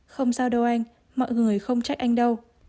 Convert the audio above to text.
không giao đâu anh mọi người không trách anh đâu